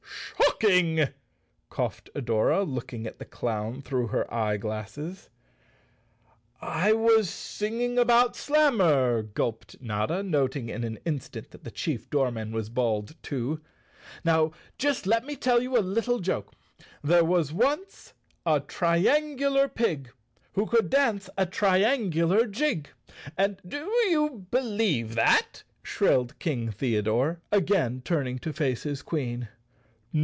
"Shocking!" coughed Adora, looking at the clown through her eye glasses. "I was singing about Slammer," gulped Notta, noting in an instant that the chief doorman was bald too. " Now just let me tell you a little joke. There was once a tri¬ angular pig, who could dance a triangular jig, and—" "Do you believe that?" shrilled King Theodore, again turning to face his Queen.